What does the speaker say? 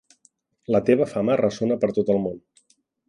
La teva fama ressona per tot el món.